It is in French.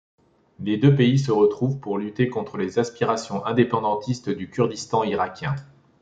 Les deux pays se retrouvent pour lutter contre les aspirations indépendantistes du Kurdistan irakien.